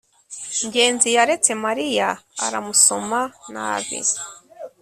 ngenzi yaretse mariya aramusoma nabi